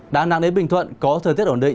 đà nẵng đến bình thuận có thời tiết ổn định